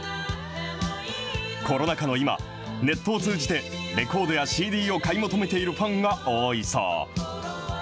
コロナ禍の今、ネットを通じて、レコードやＣＤを買い求めているファンが多いそう。